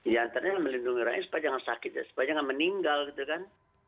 ya antaranya melindungi rakyat supaya jangan sakit ya supaya jangan meninggal gitu kan